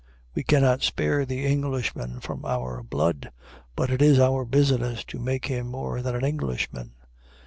We cannot spare the Englishman from our blood, but it is our business to make him more than an Englishman.